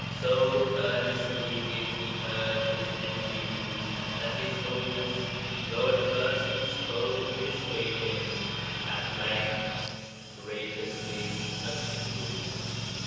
So earnestly did he urge his entreaties that His Holiness, though (at first) he strove to dissuade him, at length graciously acceded.